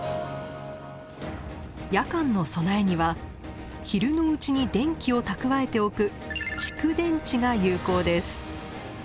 夜間の備えには昼のうちに電気を蓄えておく蓄電池が有効です。